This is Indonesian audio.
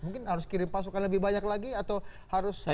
mungkin harus kirim pasukan lebih banyak lagi atau harus